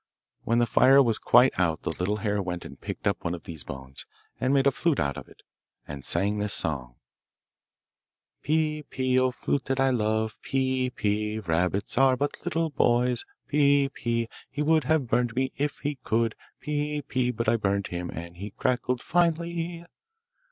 When the fire was quite out the little hare went and picked up one of these bones, and made a flute out of it, and sang this song: Pii, pii, O flute that I love, Pii, pii, rabbits are but little boys. Pii, pii, he would have burned me if he could; Pii, pii, but I burned him, and he crackled finely.